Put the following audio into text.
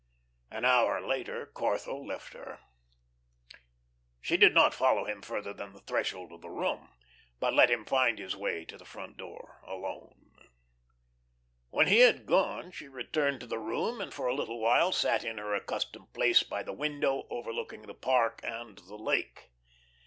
An hour later Corthell left her. She did not follow him further than the threshold of the room, but let him find his way to the front door alone. When he had gone she returned to the room, and for a little while sat in her accustomed place by the window overlooking the park and the lake.